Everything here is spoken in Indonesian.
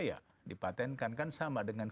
ya dipatenkan kan sama dengan